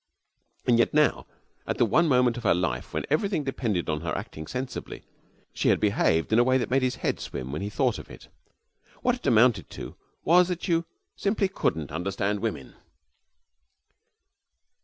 And yet now, at the one moment of her life when everything depended on her acting sensibly, she had behaved in a way that made his head swim when he thought of it. What it amounted to was that you simply couldn't understand women.